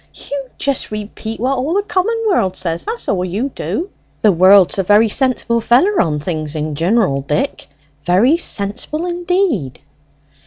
you just repeat what all the common world says; that's all you do." "The world's a very sensible feller on things in jineral, Dick; very sensible indeed."